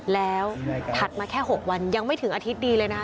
แล้วถัดมาแค่๖วันยังไม่ถึงอาทิตย์ดีเลยนะคะ